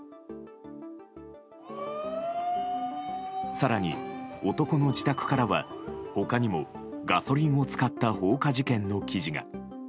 更に男の自宅からは他にもガソリンを使った放火事件の記事が。